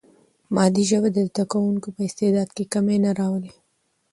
مادي ژبه د زده کوونکي په استعداد کې کمی نه راولي.